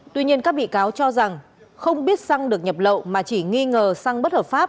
tuy nhiên các bị cáo cho rằng không biết xăng được nhập lậu mà chỉ nghi ngờ xăng bất hợp pháp